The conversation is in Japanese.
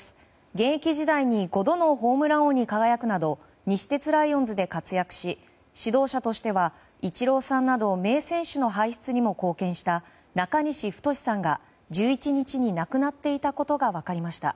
現役時代に５度のホームラン王に輝くなど西鉄ライオンズで活躍し指導者としてはイチローさんなど名選手の輩出にも貢献した中西太さんが１１日に亡くなっていたことが分かりました。